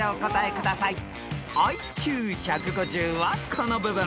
［ＩＱ１５０はこの部分］